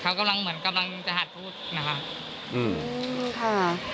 เขากำลังเหมือนจะหัดพูดนะคะ